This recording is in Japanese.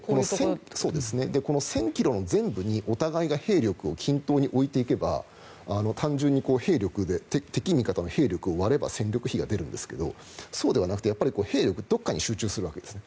この１０００ｋｍの全部にお互いが兵力を均等に置いていけば単純に兵力で敵味方の戦力を割れば戦力比が出るんですがそうじゃなくて兵力、どこかに集中するんですね。